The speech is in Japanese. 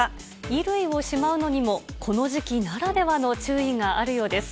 衣類をしまうのにも、この時期ならではの注意があるようです。